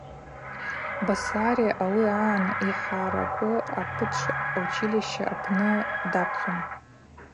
Басария ауи агӏан Йхӏаракӏу апычӏв училища апны дапхьун.